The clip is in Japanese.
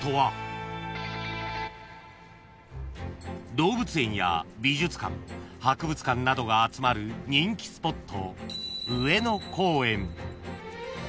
［動物園や美術館博物館などが集まる人気スポット］